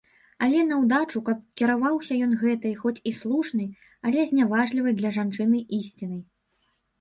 Але наўдачу, каб кіраваўся ён гэтай, хоць і слушнай, але зняважлівай для жанчыны ісцінай.